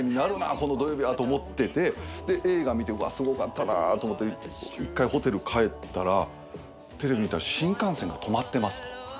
この土曜日はと思っててで映画見てうわすごかったなと思って１回ホテル帰ったらテレビ見たら新幹線が止まってますと。